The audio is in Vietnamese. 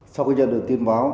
sau khi nhận được tin báo